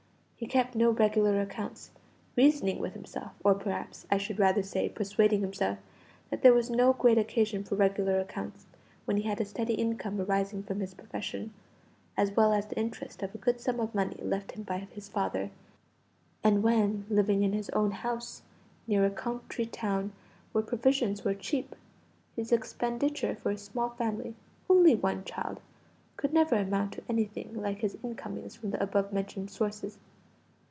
He kept no regular accounts, reasoning with himself or, perhaps, I should rather say persuading himself that there was no great occasion for regular accounts, when he had a steady income arising from his profession, as well as the interest of a good sum of money left him by his father; and when, living in his own house near a country town where provisions were cheap, his expenditure for his small family only one child could never amount to anything like his incomings from the above mentioned sources.